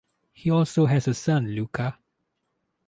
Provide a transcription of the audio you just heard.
He also has a son, Luka.